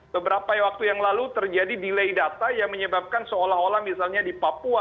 beberapa waktu yang lalu terjadi delay data yang menyebabkan seolah olah misalnya di papua